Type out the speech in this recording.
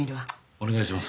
お願いします。